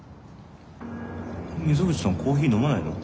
溝口さんはコーヒー飲まないの？